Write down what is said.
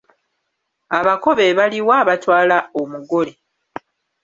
Abako be baliwa abatwala omugole?